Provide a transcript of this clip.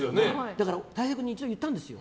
だから、たい平君に一度言ったんですよ。